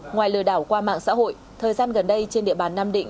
ngoài lừa đảo qua mạng xã hội thời gian gần đây trên địa bàn nam định